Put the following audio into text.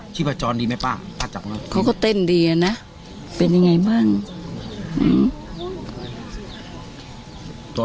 ตัวร้อนมากหรือเปล่านะ